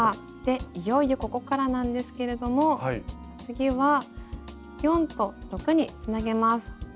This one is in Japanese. いよいよここからなんですけれども次は４と６につなげます。